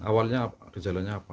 awalnya gejalanya apa